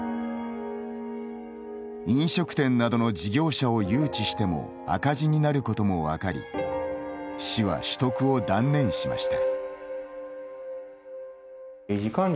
飲食店などの事業者を誘致しても赤字になることも分かり市は取得を断念しました。